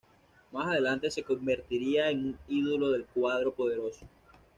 Más adelante se convertiría en un ídolo del cuadro "poderoso".